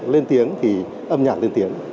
lên tiếng thì âm nhạc lên tiếng